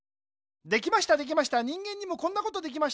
できましたできました人間にもこんなことできました。